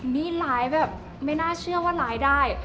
นี่ร้ายแบบไม่น่าเชื่อว่าร้ายได้